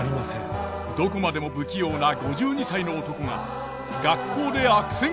どこまでも不器用な５２歳の男が学校で悪戦苦闘。